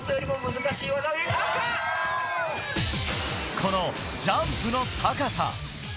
このジャンプの高さ。